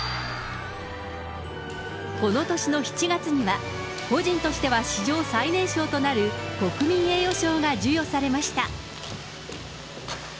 この年の７月には、個人としては史上最年少となる、国民栄誉賞が授与されました。